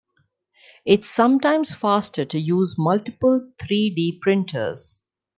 It's sometimes faster to use multiple three-d printers.